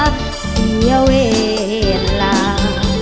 เสียเวลา